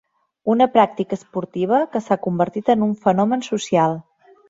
Una pràctica esportiva que s'ha convertit en un fenomen social.